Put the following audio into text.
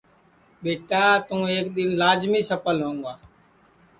ٻیٹا توں ایک دؔن لاجمی سپھل ہوں گا